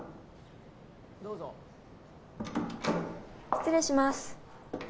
失礼します。